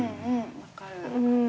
分かる。